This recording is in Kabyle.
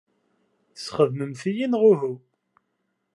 Tesxedmemt-iyi, neɣ uhu?